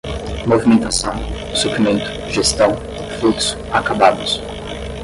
movimentação, suprimento, gestão, fluxo, acabados